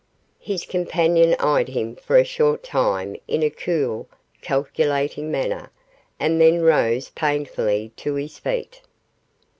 His companion eyed him for a short time in a cool, calculating manner, and then rose painfully to his feet.